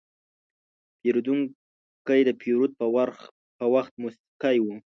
پیرودونکی د پیرود پر وخت موسکی و.